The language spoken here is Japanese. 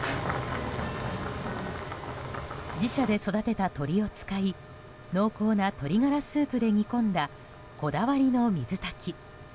自社で育てた鶏を使い濃厚な鶏ガラスープで煮込んだこだわりの水炊き。